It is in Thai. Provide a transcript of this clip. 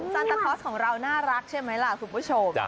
จันตะคอสของเราน่ารักใช่ไหมล่ะคุณผู้ชม